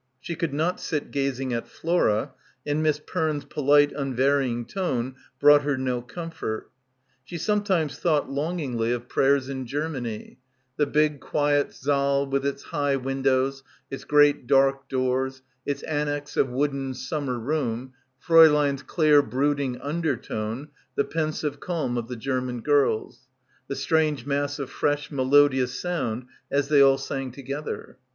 She could not sit gazing at Flora, and Miss Perne's polite unvarying tone brought her no comfort. She sometimes thought longingly of prayers in Ger 96 BACKWATER many, the big quiet saal with its high windows, its great dark doors, its annexe of wooden summer room, Fraulein's clear, brooding undertone, the pensive calm of the German girls ; the strange mass of fresh melodious sound as they all sang together.